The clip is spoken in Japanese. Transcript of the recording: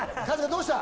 どうした？